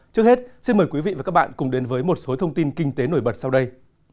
trước hết xin mời quý vị và các bạn cùng đến với một số thông tin kinh tế nổi bật sau đây